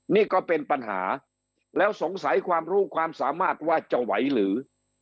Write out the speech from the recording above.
นี่ก็เป็นปัญหาแล้วสงสัยความรู้ความสามารถว่าจะไหวหรือ